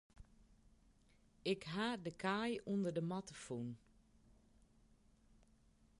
Ik ha de kaai ûnder de matte fûn.